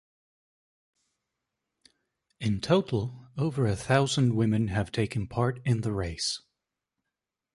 In total, over a thousand women have taken part in the race.